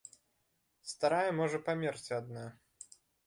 Старая можа памерці адна.